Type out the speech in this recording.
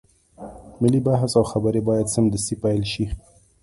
ملي بحث او خبرې بايد سمدستي پيل شي.